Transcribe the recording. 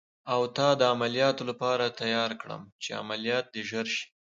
او تا د عملیاتو لپاره تیار کړم، چې عملیات دې ژر شي.